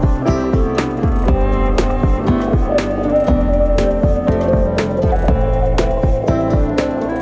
iam yang artikan